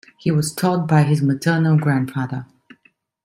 He was taught by his maternal grandfather.